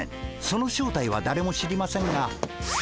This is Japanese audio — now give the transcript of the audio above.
その正体はだれも知りませんが。